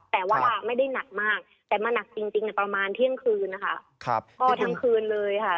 แต่ว่าไม่ได้หนักมากแต่มาหนักจริงประมาณเที่ยงคืนนะคะก็ทั้งคืนเลยค่ะ